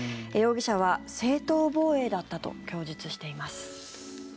容疑者は正当防衛だったと供述しています。